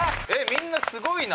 みんなすごいな。